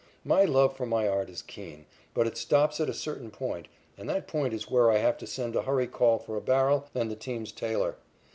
My love for my art is keen, but it stops at a certain point, and that point is where I have to send a hurry call for a barrel and the team's tailor.